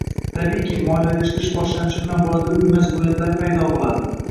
Tabiiyki, moliyalashtirish boshlanishi bilan bolada uy majburiyatlari paydo bo‘ladi.